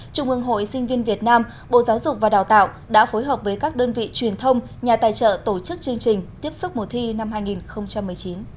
trung ương hội sinh viên việt nam bộ giáo dục và đào tạo đã phối hợp với các đơn vị truyền thông nhà tài trợ tổ chức chương trình tiếp sức mùa thi năm hai nghìn một mươi chín